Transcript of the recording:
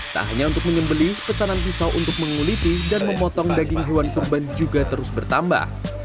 tak hanya untuk menyembeli pesanan pisau untuk menguliti dan memotong daging hewan kurban juga terus bertambah